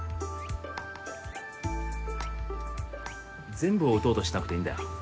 全部を打とうとしなくていいんだよ